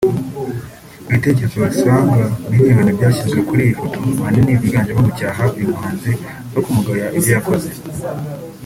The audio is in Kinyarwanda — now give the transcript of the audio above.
Ibitekerezo bisaga miliyoni byashyizwe kuri iyi foto ahanini byinganjemo gucyaha uyu muhanzi no kumugayira ibyo yakoze